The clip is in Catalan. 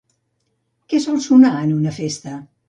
Què sol sonar en una festa?